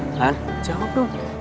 elan jawab dong